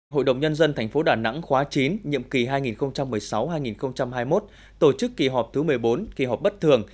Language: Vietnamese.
hội đồng nhân dân tp đà nẵng khóa chín nhiệm kỳ hai nghìn một mươi sáu hai nghìn hai mươi một tổ chức kỳ họp thứ một mươi bốn kỳ họp bất thường